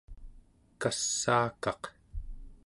kassaakaq